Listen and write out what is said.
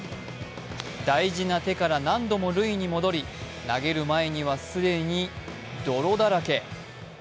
大事な手から何度も塁に戻り投げる前には既に泥だらけ。